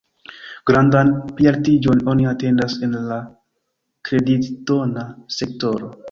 Grandan plialtiĝon oni atendas en la kreditdona sektoro.